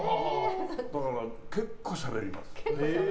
だから結構、しゃべります。